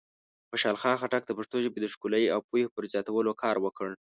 خوشحال خان خټک د پښتو ژبې د ښکلایۍ او پوهې پر زیاتولو کار وکړ.